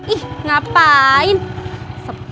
ih ngapain sepel